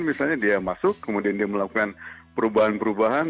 misalnya dia masuk kemudian dia melakukan perubahan perubahan